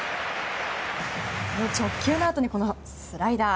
直球のあとにこのスライダー。